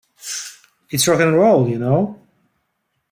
It's rock and roll, you know.